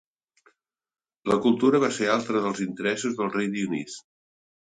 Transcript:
La cultura va ser altre dels interessos del rei Dionís.